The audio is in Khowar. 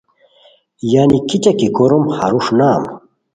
یعنی کیچہ کی کوروم ہروݰ نام